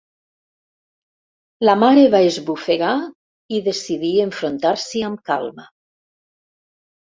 La mare va esbufegar i decidí enfrontar-s'hi amb calma.